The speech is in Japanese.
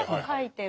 はい。